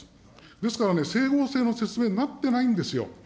ですからね、整合性の説明になってないんですよ。